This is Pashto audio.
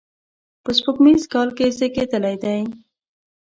په سپوږمیز کال کې زیږېدلی دی.